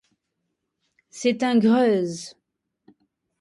C'est un Greuze.